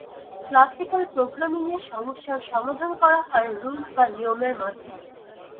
Classical programming এ সমস্যার সমাধান করা হয় রুলস বা নিয়মের মাধ্যমে।